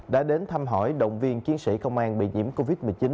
đã đến thăm hỏi động viên chiến sĩ công an bị nhiễm covid một mươi chín